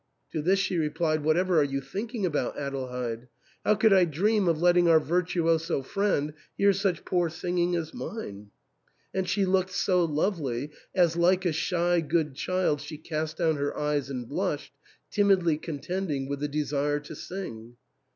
To this she replied, "What ever are you thinking about, Adelheid ? How could I dream of letting our virtuoso friend hear such poor singing as mine ?" And she looked so lovely, as, like a shy good child, she cast down her eyes and blushed, timidly contending with the desire to sing.